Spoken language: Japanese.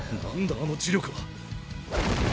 あの呪力は。